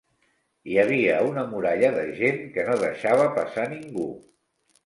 Hi havia una muralla de gent que no deixava passar ningú.